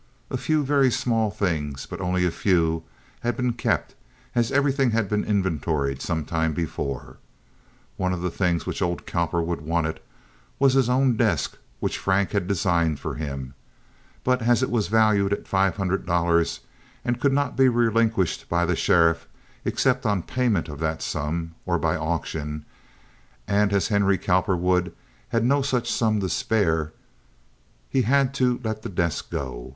A few very small things, but only a few, had been kept, as everything had been inventoried some time before. One of the things which old Cowperwood wanted was his own desk which Frank had had designed for him; but as it was valued at five hundred dollars and could not be relinquished by the sheriff except on payment of that sum, or by auction, and as Henry Cowperwood had no such sum to spare, he had to let the desk go.